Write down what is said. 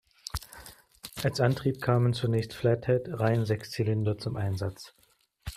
Als Antrieb kamen zunächst Flathead-Reihensechszylinder zum Einsatz.